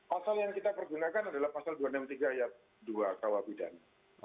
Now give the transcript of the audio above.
pasal yang kita pergunakan adalah pasal dua ratus enam puluh tiga ayat dua kawah bidan